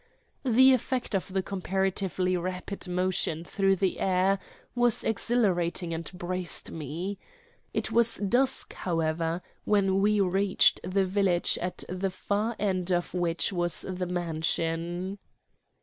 The effect of the comparatively rapid motion through the air was exhilarating and braced me. It was dusk, however, when we reached the village, at the far end of which was the mansion.